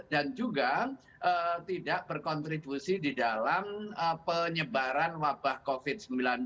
dan juga tidak berkontribusi di dalam penyebaran wabah covid sembilan belas